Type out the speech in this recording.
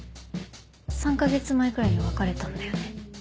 ３か月前ぐらいに別れたんだよね。